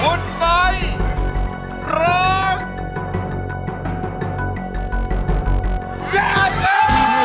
โลกใจโลกใจโลกใจ